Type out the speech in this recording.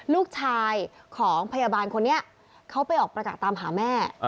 ลูกชายของพยาบาลคนนี้เขาไปออกประกาศตามหาแม่